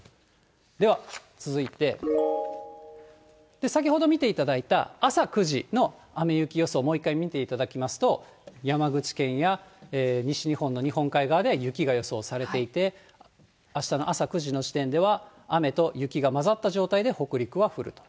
では続いて、先ほど見ていただいた朝９時の雨、雪予想、もう一回見ていただきますと、山口県や西日本の日本海側では雪が予想されていて、あしたの朝９時の時点では、雨と雪が混ざった状態で北陸は降ると。